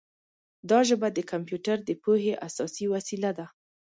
دا ژبه د کمپیوټر د پوهې اساسي وسیله ده.